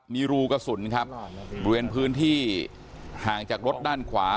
มีรูกระสุนครับบริเวณพื้นที่ห่างจากรถด้านขวา